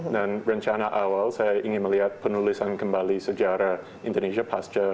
dan rencana awal saya ingin melihat penulisan kembali sejarah indonesia pasca